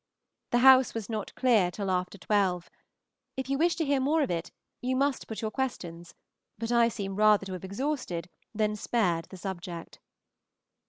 The house was not clear till after twelve. If you wish to hear more of it, you must put your questions, but I seem rather to have exhausted than spared the subject.